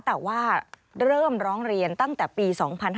แต่ว่าเริ่มร้องเรียนตั้งแต่ปี๒๕๕๙